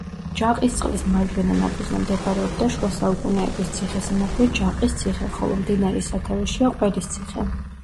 ჯაყისწყლის მარჯვენა ნაპირზე მდებარეობდა შუა საუკუნეების ციხესიმაგრე ჯაყის ციხე, ხოლო მდინარის სათავეშია ყველისციხე.